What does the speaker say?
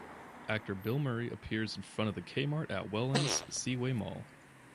Actor Bill Murray appears in front of the Kmart at Welland's Seaway Mall.